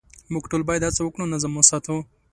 موږ ټول باید هڅه وکړو نظم وساتو.